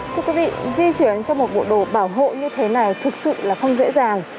thưa quý vị di chuyển trong một bộ đồ bảo hộ như thế này thực sự là không dễ dàng